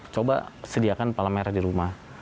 coba sediakan palemera di rumah